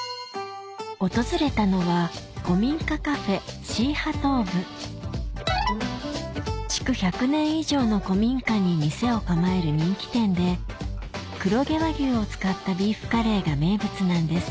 訪れたのは築１００年以上の古民家に店を構える人気店で黒毛和牛を使ったビーフカレーが名物なんです